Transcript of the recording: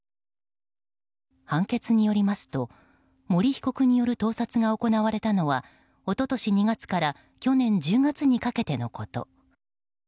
判決によりますと森被告による盗撮が行われたのは一昨年２月から去年１０月にかけてのこと。